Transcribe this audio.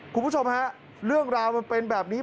คุณผู้ชมฮะเรื่องราวมันเป็นแบบนี้